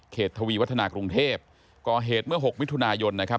ทวีวัฒนากรุงเทพก่อเหตุเมื่อ๖มิถุนายนนะครับ